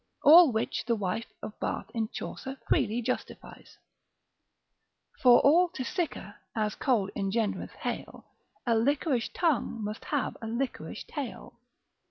All which the wife of Bath in Chaucer freely justifies, For all to sicker, as cold engendreth hail, A liquorish tongue must have a liquorish tail.